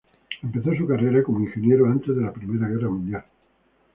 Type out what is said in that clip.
Empezó su carrera como ingeniero antes de la Primera Guerra Mundial.